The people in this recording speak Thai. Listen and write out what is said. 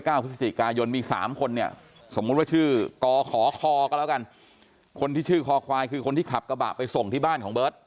พฤศจิกายนมีสามคนเนี่ยสมมุติว่าชื่อกขอคอคอก็แล้วกันคนที่ชื่อคอควายคือคนที่ขับกระบะไปส่งที่บ้านของเบิร์ต